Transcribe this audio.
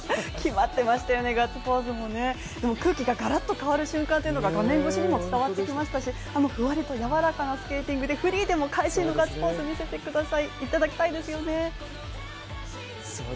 決まってましたよね、ガッツポーズもね、でも空気がガラッと変わる瞬間っていうのが画面越しにも伝わってきましたし、ふわりとやわらかなスケーティングで、フリーでも会心のガッツポーズを見せていただきたいですよね。